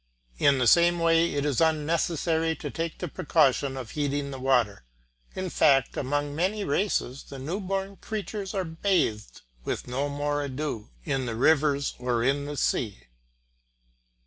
In the same way it is unnecessary to take the precaution of heating the water; in fact among many races the new born infants are bathed with no more ado in rivers or in the sea.